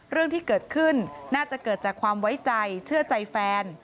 เรื่องที่เกิดขึ้นน่าจะเกิดจากความไว้ใจเชื่อใจแฟน